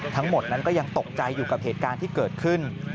ทั้งหมดนั้นก็ยังตกใจอยู่กับเหตุการณ์ที่เกิดขึ้น